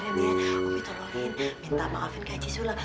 bener ya mi umi tolongin minta maafin ke haji sulam